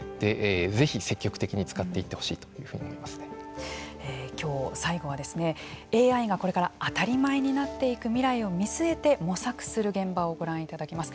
ぜひ積極的に使っていってほしいというふうにきょう最後はＡＩが、これから当たり前になっていく未来を見据えて模索する現場をご覧いただきます。